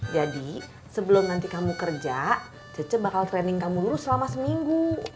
jadi sebelum nanti kamu kerja cece bakal training kamu lurus selama seminggu